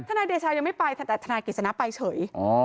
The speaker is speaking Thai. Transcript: นายเดชายังไม่ไปแต่ทนายกฤษณะไปเฉย